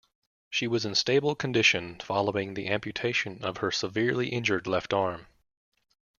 She was in stable condition following the amputation of her severely injured left arm.